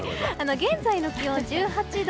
現在の気温、１８度。